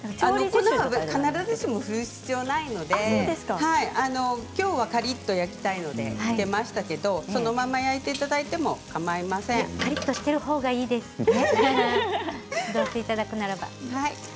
粉は必ずしも振る必要はないので、きょうはカリっと焼きたいのでつけましたけれどもそのまま焼いていただいてもカリっとしているほうがいいですやっていただくならば。